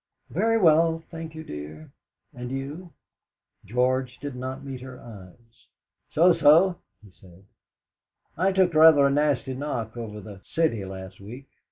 "Very well, thank you, dear. And you?" George did not meet her eyes. "So so," he said. "I took rather a nasty knock over the 'City' last week."